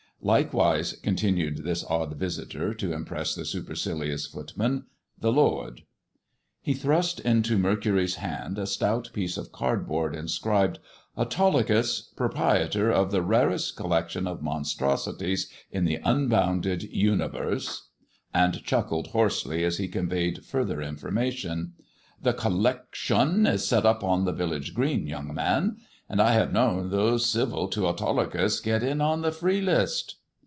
Likewise," continued this odd visitor, to impress the supercilious footman, "the lord." He thrust into Mercury's hand a stout piece of cardboard, inscribed " Autolycus, Proprietor of the Barest Collection of Monstrosities in the Unbounded Universe "; and chuckled hoarsely as he conveyed further information — The Collecshun is set up on the village green, young man ; a.nd I hev known those civil to Autolycus git on the free list."